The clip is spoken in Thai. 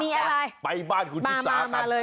มีอะไรมามาเลย